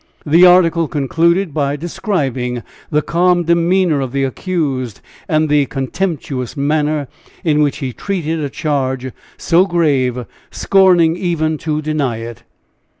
The article concluded by describing the calm demeanor of the accused and the contemptuous manner in which he treated a charge so grave, scorning even to deny it.